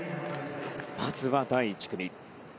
まずは第１組。